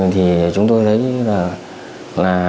thì chúng tôi thấy là